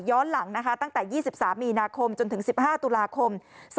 หลังนะคะตั้งแต่๒๓มีนาคมจนถึง๑๕ตุลาคม๒๕๖